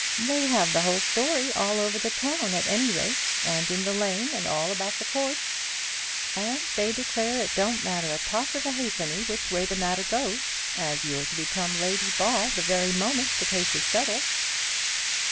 "They have the whole story all over the town at any rate, and in the lane, and all about the courts; and they declare it don't matter a toss of a halfpenny which way the matter goes, as you're to become Lady Ball the very moment the case is settled."